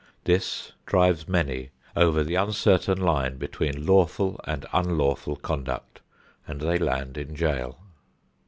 This drives many over the uncertain line between lawful and unlawful conduct and they land in jail.